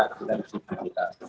kita lebih baik dari negara itu